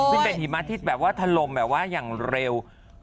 ซึ่งเป็นหิมะที่แบบว่าทะลมแบบว่าอย่างเร็ว